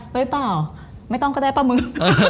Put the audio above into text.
เปล่าไม่ต้องก็ได้ป่ะมึง